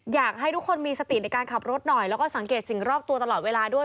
อยากให้ทุกคนมีสติในการขับรถหน่อยแล้วก็สังเกตสิ่งรอบตัวตลอดเวลาด้วย